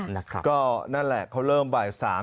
นั่นแหละก็นั่นแหละเขาเริ่มบ่ายสาม